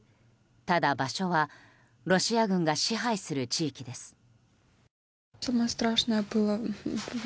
ただ場所はロシア軍が支配する地域です。